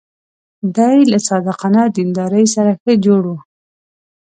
دی له صادقانه دیندارۍ سره ښه جوړ و.